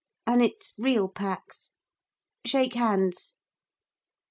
And it's real Pax. Shake hands.'